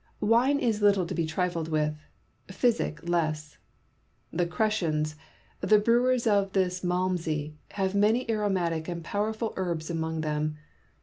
Wine is little to be trifled with, physic less. The Cretans, the brewers of this Malmsey, have many aromatic and powerful herbs among them.